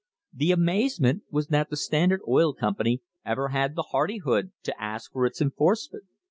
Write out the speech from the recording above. The amazement was that the Standard Oil Company ever had the hardihood to ask for its enforcement.